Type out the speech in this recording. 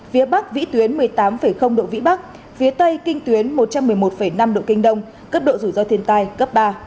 phía bắc vĩ tuyến một mươi tám độ vĩ bắc phía tây kinh tuyến một trăm một mươi một năm độ kinh đông cấp độ rủi ro thiên tai cấp ba